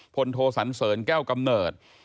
โทสันเสริญแก้วกำเนิด